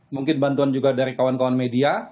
mungkin bantuan juga dari kawan kawan media